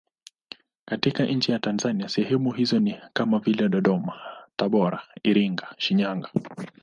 Katika nchi ya Tanzania sehemu hizo ni kama vile Dodoma, Tabora, Iringa, Shinyanga.